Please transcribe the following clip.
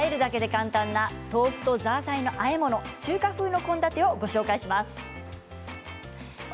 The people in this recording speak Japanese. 焼きそばとあえるだけで簡単な豆腐とザーサイのあえ物中華風の献立をご紹介します。